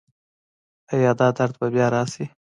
ایا دا درد به بیا راشي؟